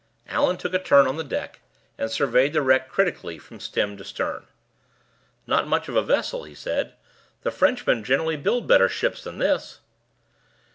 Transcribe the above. Allan took a turn on the deck, and surveyed the wreck critically from stem to stern. "Not much of a vessel," he said; "the Frenchmen generally build better ships than this."